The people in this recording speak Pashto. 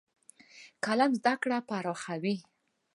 قلم زده کړه پراخوي.